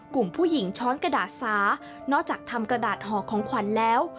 กลุ่มผู้หญิงช้อนกระดาษสานอกจากทำกระดาษห่อของขวัญแล้ว